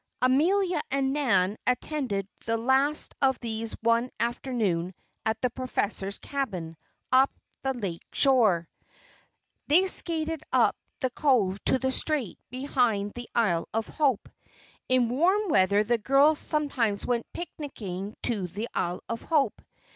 Amelia and Nan attended the last of these one afternoon at the professor's cabin, up the lake shore. They skated up the cove to the strait behind the Isle of Hope. In warm weather the girls sometimes went picnicking to the Isle of Hope.